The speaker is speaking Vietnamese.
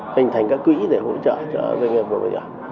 hình thành các quỹ để hỗ trợ cho doanh nghiệp vừa và nhỏ